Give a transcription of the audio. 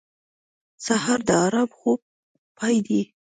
سهار د ارام خوب پای دی.